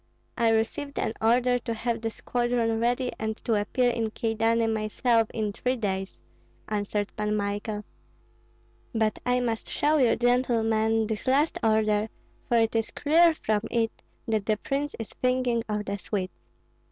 "I received an order to have the squadron ready and to appear in Kyedani myself in three days," answered Pan Michael. "But I must show you, gentlemen this last order, for it is clear from it that the prince is thinking of the Swedes."